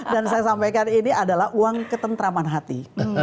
dan saya sampaikan ini adalah uang ketentraman hati